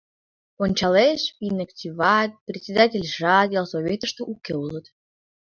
Ончалеш: финактиват, председательжат ялсоветыште уке улыт.